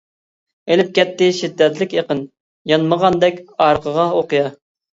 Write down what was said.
ئېلىپ كەتتى شىددەتلىك ئېقىن، يانمىغاندەك ئارقىغا ئوقيا.